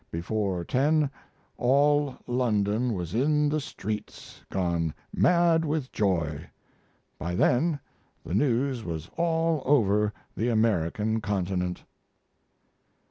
Before 10 all London was in the streets, gone mad with joy. By then the news was all over the American continent.